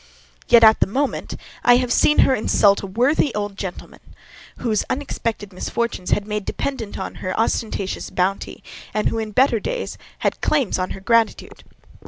Yet, at the moment, I have seen her insult a worthy old gentlewoman, whom unexpected misfortunes had made dependent on her ostentatious bounty, and who, in better days, had claims on her gratitude.